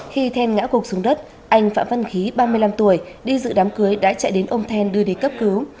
khi thèn ngã cục xuống đất anh phạm văn khí ba mươi năm tuổi đi dự đám cưới đã chạy đến ông thèn đưa đi cấp cứu